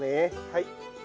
はい。